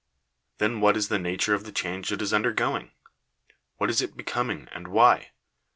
then what is the nature of the change it is undergoing? what is it be coming, and why